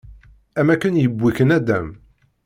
Am akken yewwi-k naddam.